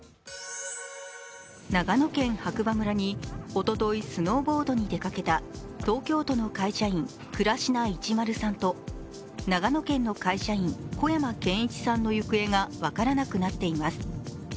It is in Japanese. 長野県白馬村におとといスノーボードに出かけた東京都の会社員、倉科一丸さんと長野県の会社員、小山賢一さんの行方が分からなくなっています。